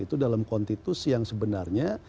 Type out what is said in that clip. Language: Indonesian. itu dalam konstitusi yang sebenarnya